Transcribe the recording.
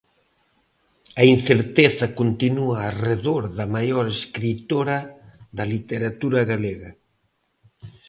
A incerteza continúa arredor da maior escritora da literatura galega.